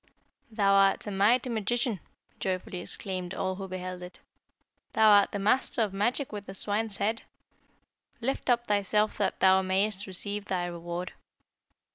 'Thou art a mighty magician,' joyfully exclaimed all who beheld it. 'Thou art the master of magic with the swine's head. Lift up thyself that thou mayest receive thy reward.'